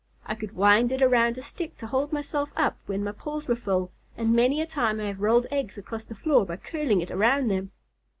I could wind it around a stick to hold myself up when my paws were full, and many a time I have rolled eggs across the floor by curling it around them."